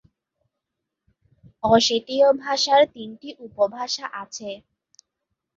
অসেটীয় ভাষার তিনটি উপভাষা আছে।